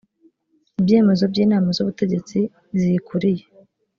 ibyemezo by inama z ubutegetsi ziyikuriye